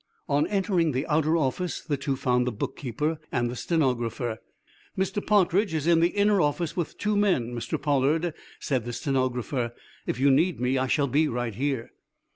On entering the outer office the two found the bookkeeper and the stenographer. "Mr. Partridge is in the inner office with two men, Mr. Pollard," said the stenographer. "If you need me, I shall be right here."